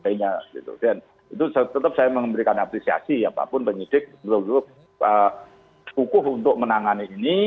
itu tetap saya memberikan apresiasi apapun penyidik betul betul kukuh untuk menangani ini